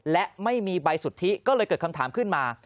และไม่มีใบสุทธิก็เลยเกิดคำถามขึ้นมา